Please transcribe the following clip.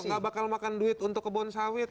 nggak bakal makan duit untuk kebun sawit